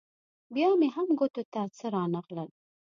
بیا مې هم ګوتو ته څه رانه غلل.